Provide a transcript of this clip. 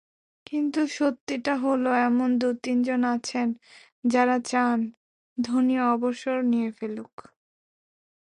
কিন্তু সত্যিটা হলো এমন দু-তিনজন আছেন, যাঁরা চান ধোনি অবসর নিয়ে ফেলুক।